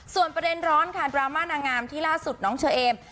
ส่วนประเด็นร้อนค่ะดราม่านางงามที่ล่าสุดน้องเชอเอม